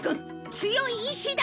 強い意志だ！